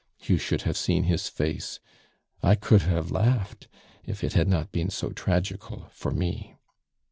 You should have seen his face! I could have laughed, if it had not been so tragical for me.